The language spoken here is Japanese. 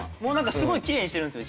すごいきれいにしてるんですよ